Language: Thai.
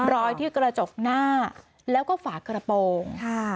รอยที่กระจกหน้าแล้วก็ฝากระโปรง